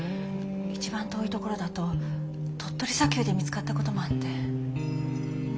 一番遠いところだと鳥取砂丘で見つかったこともあって。